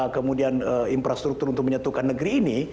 kemudian infrastruktur untuk menyatukan negeri ini